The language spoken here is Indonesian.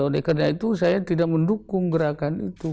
nah karena itu saya tidak mendukung gerakannya